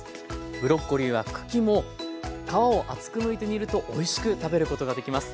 ブロッコリーは茎も皮を厚くむいて煮るとおいしく食べることができます。